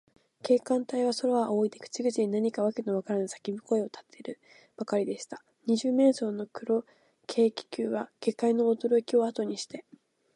警官隊は、空をあおいで、口々に何かわけのわからぬさけび声をたてるばかりでした。二十面相の黒軽気球は、下界のおどろきをあとにして、